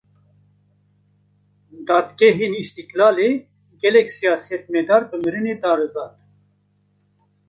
Dadgehên Îstîklalê, gelek siyasetmedar bi mirinê darizand